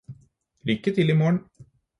Lykke til i morgen.